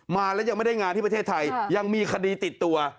มาแล้วยังไม่ได้งานที่ประเทศไทยยังมีคดีติดตัว